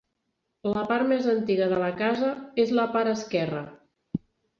La part més antiga de la casa és la part esquerra.